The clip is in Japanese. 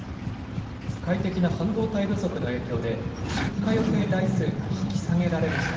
世界的な半導体不足の影響で、出荷予定台数が引き下げられました。